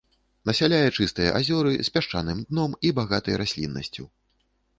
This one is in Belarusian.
Насяляе чыстыя азёры з пясчаным дном і багатай расліннасцю.